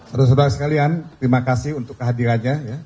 saudara saudara sekalian terima kasih untuk kehadirannya